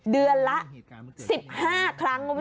เดือนละ๑๕ครั้งคุณผู้ชม